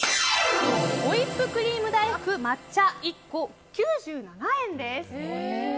ホイップクリーム大福抹茶１個９７円です。